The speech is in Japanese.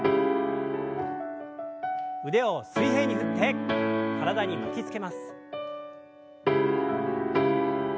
腕を水平に振って体に巻きつけます。